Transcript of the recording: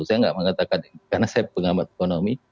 saya tidak mengatakan karena saya pengambat ekonomi